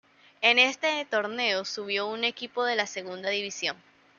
En este torneo subió un equipo de la Segunda División.